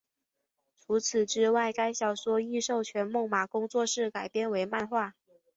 除此之外该小说亦授权梦马工作室改编为漫画。